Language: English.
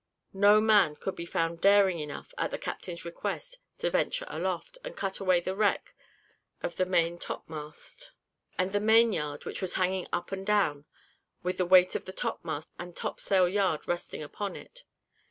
No man could be found daring enough, at the captain's request, to venture aloft, and cut away the wreck of the main top mast, and the main yard, which was hanging up and down, with the weight of the top mast and topsail yard resting upon it.